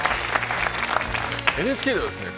ＮＨＫではですね